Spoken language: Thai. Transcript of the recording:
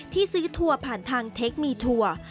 ที่ซื้อทัวร์ผ่านทางเทคนิทัวร์